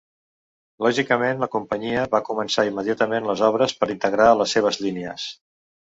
Lògicament la companyia va començar immediatament les obres per integrar les seves línies.